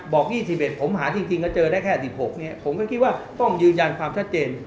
๒๑ผมหาจริงแล้วเจอได้แค่๑๖ผมก็คิดว่าต้องยืนยันความชัดเจน